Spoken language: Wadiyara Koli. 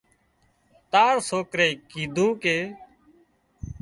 تار سوڪري ڪيڌون ڪي